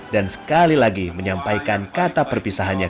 dan sekali lagi menyampaikan kata perpisahannya